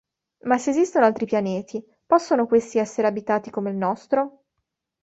Ma se esistono altri pianeti, possono questi essere abitati come il nostro?